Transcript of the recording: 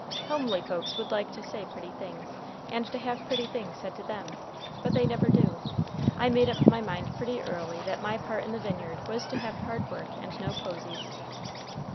Homely folks would like to say pretty things, and to have pretty things said to them, but they never do. I made up my mind pretty early that my part in the vineyard was to have hard work and no posies."